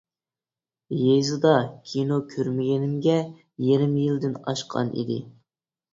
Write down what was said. يېزىدا كىنو كۆرمىگىنىمگە يېرىم يىلدىن ئاشقانىدى.